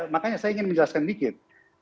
makanya saya ingin menjelaskan dikit